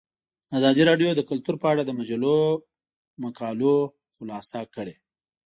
ازادي راډیو د کلتور په اړه د مجلو مقالو خلاصه کړې.